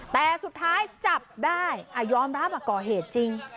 แต่สุดท้ายจับได้ยอมรับว่าก่อเหตุจริง